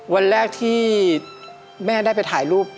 วันแรกที่แม่ได้ไปถ่ายรูป